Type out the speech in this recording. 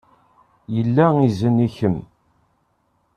Yella izen i kemm.